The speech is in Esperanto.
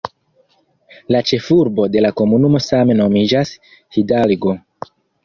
La ĉefurbo de la komunumo same nomiĝas "Hidalgo".